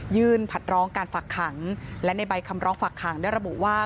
ผัดร้องการฝักขังและในใบคำร้องฝักขังได้ระบุว่า